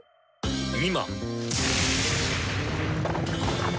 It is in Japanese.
今。